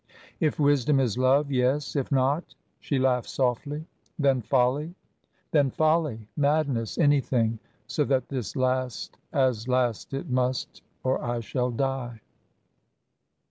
"If wisdom is love yes. If not " She laughed softly. "Then folly?" "Then folly, madness, anything so that this last, as last it must, or I shall die!"